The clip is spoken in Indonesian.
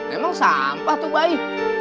memang sampah tuh bayi